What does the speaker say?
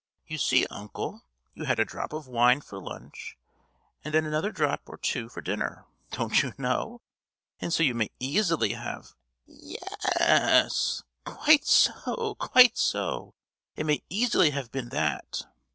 "You see, uncle, you had a drop of wine for lunch, and then another drop or two for dinner, don't you know; and so you may easily have——" "Ye—yes, quite so, quite so; it may easily have been that."